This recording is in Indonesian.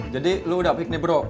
jadi lu udah pik nih bro